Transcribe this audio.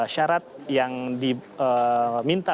syarat yang diminta